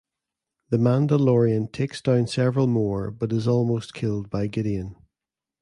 The Mandalorian takes down several more but is almost killed by Gideon.